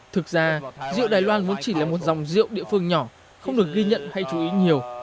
thực ra rượu đài loan vốn chỉ là một dòng rượu địa phương nhỏ không được ghi nhận hay chú ý nhiều